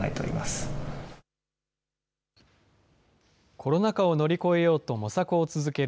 コロナ禍を乗り越えようと模索を続ける